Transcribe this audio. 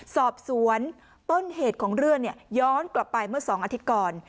สอบสวนต้นเหตุของเรื่องย้อนกลับไปเมื่อ๒อาทิตย์ก่อน